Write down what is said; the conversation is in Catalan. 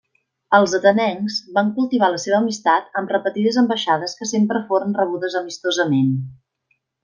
Els atenencs van cultivar la seva amistat amb repetides ambaixades que sempre foren rebudes amistosament.